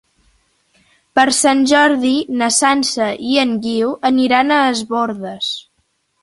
Per Sant Jordi na Sança i en Guiu aniran a Es Bòrdes.